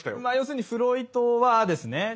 まあ要するにフロイトはですね